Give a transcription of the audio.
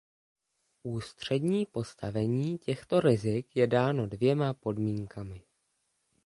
Ústřední postavení těchto rizik je dáno dvěma podmínkami.